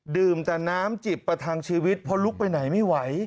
ดื่มแต่น้ำจิบประทังชีวิตเพราะลุกไปไหนไม่ไหว